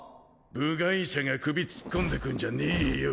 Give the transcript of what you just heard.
部外者が首突っ込んでくんじゃねえよ